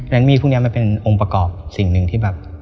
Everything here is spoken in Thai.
มี่พวกนี้มันเป็นองค์ประกอบสิ่งหนึ่งที่แบบ